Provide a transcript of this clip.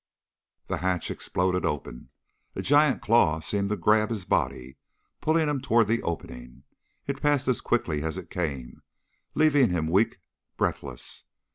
The hatch exploded open. A giant claw seemed to grab his body, pulling him toward the opening. It passed as quickly as it came, leaving him weak, breathless.